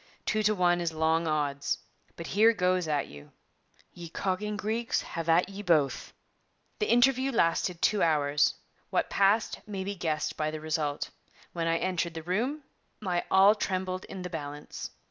Two to one is long odds. But here goes at you: "Ye cogging Greeks, have at ye both." The interview lasted two hours. What passed may be guessed by the result. When I entered the room, my all trembled in the balance.